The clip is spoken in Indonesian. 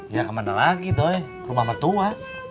ya kemana lagi doi rumah metua